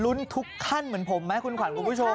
ลุ้นรูปทุกขั้นเหมือนผมนะคุณควันมุกผู้ชม